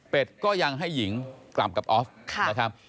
เป็นก็ยังให้หญิงกลับกับออฟนะครับ